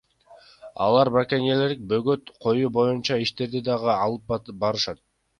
Алар браконьерликке бөгөт коюу боюнча иштерди да алып барышат.